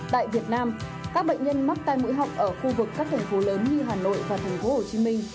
tại việt nam các bệnh nhân mắc tai mũi họng ở khu vực các thành phố lớn như hà nội và thành phố hồ chí minh